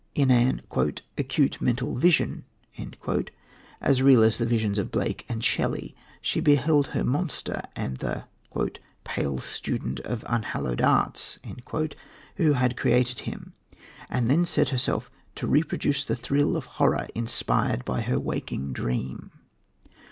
In an "acute mental vision," as real as the visions of Blake and of Shelley, she beheld her monster and the "pale student of unhallowed arts" who had created him, and then set herself to reproduce the thrill of horror inspired by her waking dream.